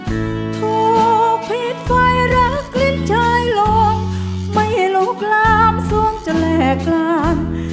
ถูกผิดไฟรักลิ้นชายลงไม่ลุกลามสวงจะแหลกกลาง